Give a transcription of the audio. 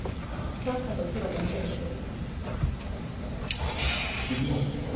さっさと姿見せてくれる？